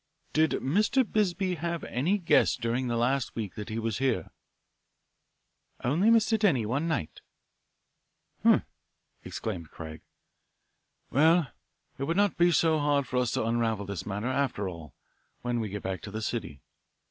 "Did Mr. Bisbee have any guests during the last week that he was here?" "Only Mr. Denny one night." "H'm!" exclaimed Craig. "Well, it will not be so hard for us to unravel this matter, after all, when we get back to the city.